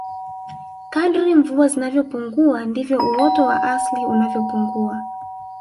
kadri mvua zinavyopungua ndivyo uoto wa asili unavyopungua